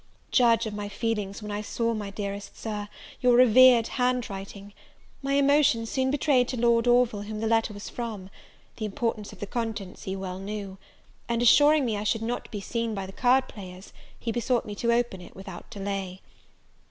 Judge of my feelings when I saw, my dearest Sir, your revered hand writing! My emotions soon betrayed to Lord Orville whom the letter was from; the importance of the contents he well knew; and, assuring me I should not be seen by the card players, he besought me to open it without delay.